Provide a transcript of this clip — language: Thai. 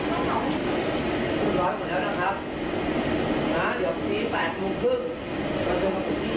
ครอบครัวไม่ได้อาฆาตแต่มองว่ามันช้าเกินไปแล้วที่จะมาแสดงความรู้สึกในตอนนี้